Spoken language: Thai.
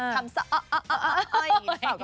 คำซ่ะเอ้อ